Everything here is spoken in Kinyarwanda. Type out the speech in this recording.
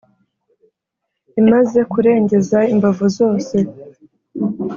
Imaze kurengeza imbavu zose,